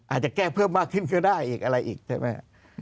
อาจจะแก้เพิ่มมากขึ้นก็ได้อีกอะไรอีกใช่ไหม